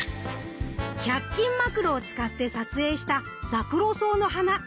１００均マクロを使って撮影したザクロソウの花。